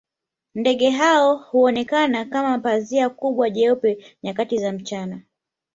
Ndege hao huonekana kama pazia kubwa jeupe nyakati za mchana